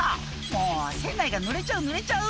「もう船内がぬれちゃうぬれちゃう」